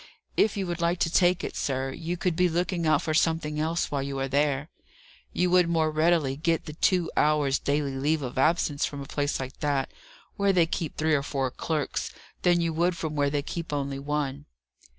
If you would like to take it, sir, you could be looking out for something else while you are there. You would more readily get the two hours' daily leave of absence from a place like that, where they keep three or four clerks, than you would from where they keep only one."